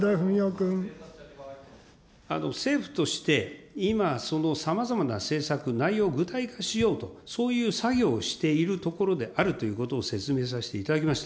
政府として、今、そのさまざまな政策、内容を具体化しようと、そういう作業をしているところであるということを説明させていただきました。